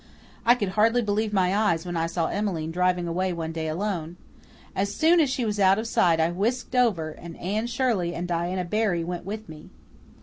I could hardly believe my eyes when I saw Emmeline driving away one day alone. As soon as she was out of sight I whisked over, and Anne Shirley and Diana Barry went with me.